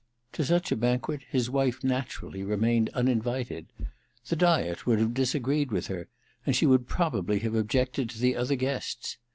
To such a banquet his wife naturally remained uninvited. The diet would have disagreed with her, and she would probably have objected to the other guests.